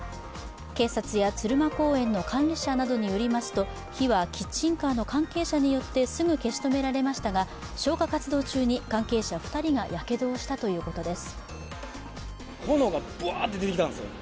警察や鶴舞公園の管理者などによりますと火はキッチンカーの関係者によってすぐ消し止められましたが消火活動中に関係者２人がやけどをしたということです。